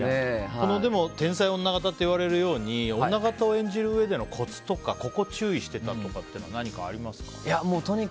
天才女形といわれるように女形を演じるうえでのコツとか、ここを注意してたとか何かありますか？